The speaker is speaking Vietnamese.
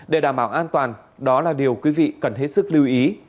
để đảm bảo an toàn đó là điều quý vị cần hết sức lưu ý